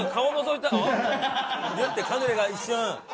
グッてカヌレが一瞬。